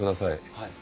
はい。